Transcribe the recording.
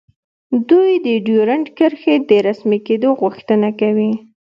دوی د ډیورنډ کرښې د رسمي کیدو غوښتنه کوي